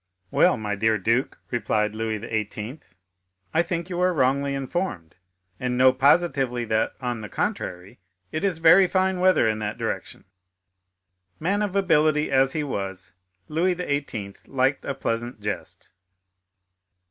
"Well, my dear duke," replied Louis XVIII., "I think you are wrongly informed, and know positively that, on the contrary, it is very fine weather in that direction." Man of ability as he was, Louis XVIII. liked a pleasant jest.